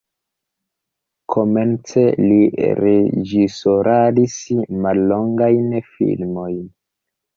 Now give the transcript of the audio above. Komence li reĝisoradis mallongajn filmojn.